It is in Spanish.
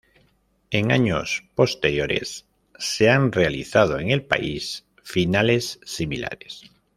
En años posteriores se han realizado en el país finales similares.